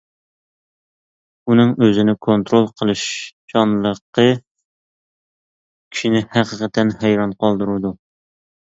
ئۇنىڭ ئۆزىنى كونترول قىلىشچانلىقى كىشىنى ھەقىقەتەن ھەيران قالدۇرىدۇ.